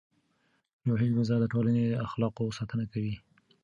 روحي غذا د ټولنې اخلاقو ساتنه کوي.